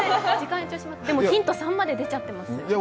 でもヒント３まで出ちゃってますよ。